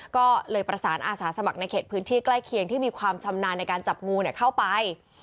ก็เลยประสานอาสาสมัครในเขตพื้นที่ใกล้เคียงที่มีความชำนาญในการจับงูเข้าไป